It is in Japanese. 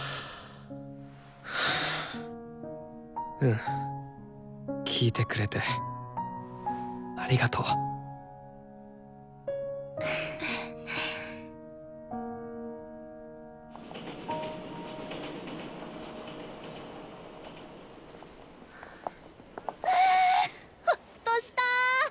うん聞いてくれてありがとう。はほっとした！